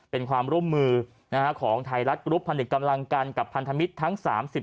เป็นความร่วมมือของไทยรัฐกรุ๊ปพนึกกำลังกันกับพันธมิตรทั้ง๓๐